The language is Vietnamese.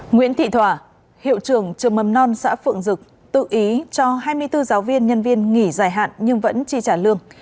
nguyễn thị thỏa hiệu trưởng trường mầm non xã phượng dực tự ý cho hai mươi bốn giáo viên nhân viên nghỉ dài hạn nhưng vẫn chi trả lương